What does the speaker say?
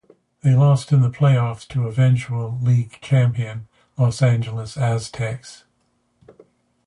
They lost in the playoffs to eventual league champion Los Angeles Aztecs.